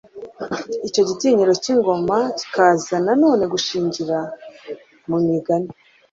Icyo gitinyiro cy'ingoma kikaza na none gushingira mu migani